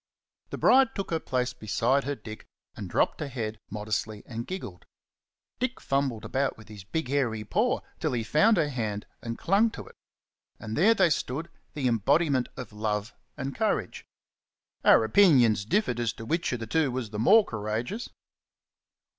The bride took her place beside her Dick, and dropped her head modestly and giggled. Dick fumbled about with his big hairy paw till he found her hand and clung to it. And there they stood, the embodiment of love and courage. Our opinions differed as to which of the two was the more courageous.